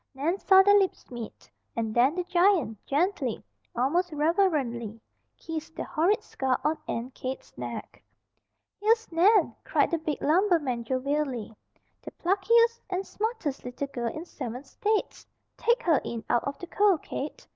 Nan saw their lips meet, and then the giant gently, almost reverently, kissed the horrid scar on Aunt Kate's neck. "Here's Nan!" cried the big lumberman jovially. "The pluckiest and smartest little girl in seven states! Take her in out of the cold, Kate.